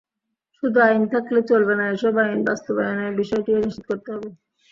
শুধু আইন থাকলেই চলবে না, এসব আইন বাস্তবায়নের বিষয়টিও নিশ্চিত করতে হবে।